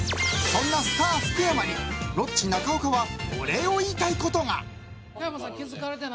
そんなスター福山にロッチ中岡はお礼を言いたいことが。